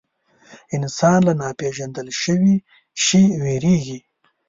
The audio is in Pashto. انسان له ناپېژندل شوي شي وېرېږي.